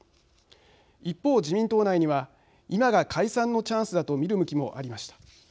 一方、自民党内には今が解散のチャンスだと見る向きもありました。